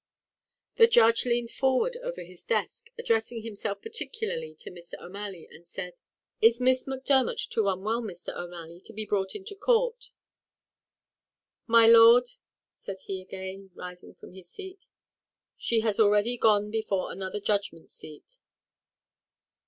The judge leaned forward over his desk, addressing himself particularly to Mr. O'Malley, and said, "Is Miss Macdermot too unwell, Mr. O'Malley, to be brought into court?" "My lord," said he again, rising from his seat, "she has already gone before another judgment seat.